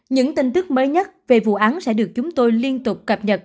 những tin tức mới nhất về vụ án sẽ được chúng tôi liên tục cập nhật